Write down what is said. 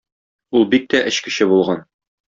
Ул бик тә эчкече булган.